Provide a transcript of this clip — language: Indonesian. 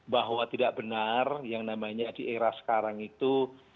bahwa tidak benar yang namanya di era sekarang itu